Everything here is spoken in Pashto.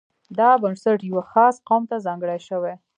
دا بنسټ یوه خاص قوم ته ځانګړی شوی.